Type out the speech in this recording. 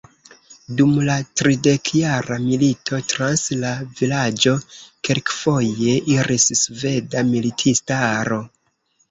Dum la Tridekjara milito trans la vilaĝo kelkfoje iris sveda militistaro.